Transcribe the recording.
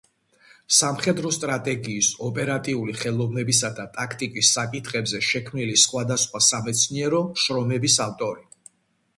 სამხედრო სტრატეგიის, ოპერატიული ხელოვნებისა და ტაქტიკის საკითხებზე შექმნილი სხვადასხვა სამეცნიერო შრომების ავტორი.